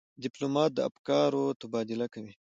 ډيپلومات د افکارو تبادله کوي.